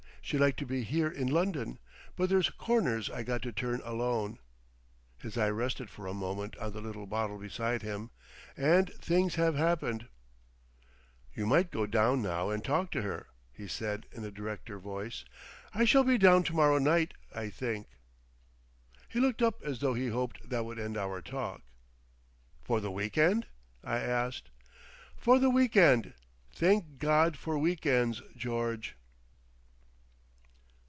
She'd like to be here in London. But there's corners I got to turn alone." His eye rested for a moment on the little bottle beside him. "And things have happened. "You might go down now and talk to her," he said, in a directer voice. "I shall be down to morrow night, I think." He looked up as though he hoped that would end our talk. "For the week end?" I asked. "For the week end. Thank God for week ends, George!"